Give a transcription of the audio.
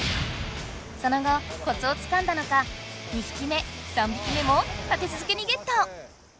そのごコツをつかんだのか２ひき目３びき目も立てつづけにゲット！